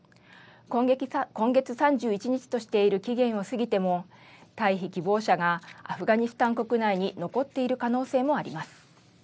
今月３１日としている期限を過ぎても、退避希望者がアフガニスタン国内に残っている可能性もあります。